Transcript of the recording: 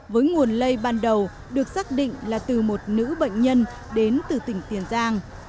với nguồn lây ban đầu được xác định là từ một nữ bệnh nhân đến từ tỉnh tiền giang